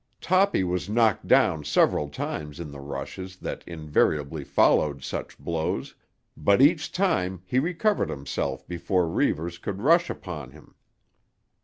Toppy was knocked down several times in the rushes that invariably followed such blows, but each time he recovered himself before Reivers could rush upon him.